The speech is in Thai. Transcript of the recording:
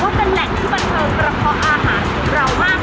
ตอนนี้พิสิก๕๕๐อย่างช่วงครอบคราวนั้น